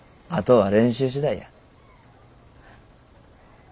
あとは練習次第や。